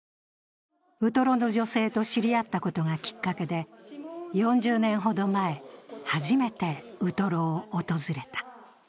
ウトロの女性と知り合ったことがきっかけで、４０年ほど前、初めてウトロを訪れた。